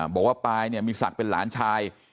บอกว่าปายเนี่ยมีศักดิ์เป็นหลานชาย